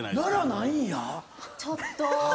ちょっと。